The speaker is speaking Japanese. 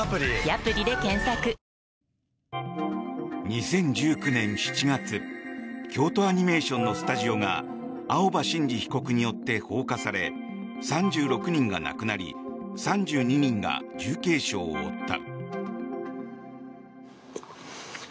２０１９年７月京都アニメーションのスタジオが青葉真司被告によって放火され３６人が亡くなり３２人が重軽傷を負った。